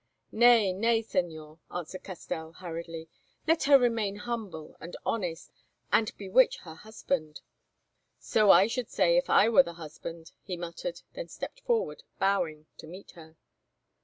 "Nay, nay, Señor," answered Castell hurriedly; "let her remain humble and honest, and bewitch her husband." "So I should say if I were the husband," he muttered, then stepped forward, bowing, to meet her.